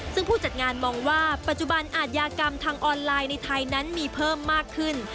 ซึ่งผู้จัดงานมองว่าปัจจุบันอาทยากรรมทางออนไลน์ในไทยนั้นมีเพิ่มมากขึ้น